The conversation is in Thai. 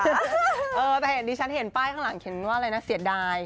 แต่เห็นดิฉันเห็นป้ายข้างหลังเขียนว่าอะไรนะเสียดาย